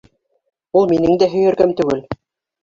Ул минең дә һөйәркәм түгел.